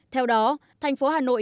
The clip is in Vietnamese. theo đó thành phố hà nội